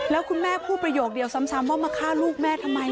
แล้วคุณแม่พูดประโยคเดียวซ้ำว่ามาฆ่าลูกแม่ทำไม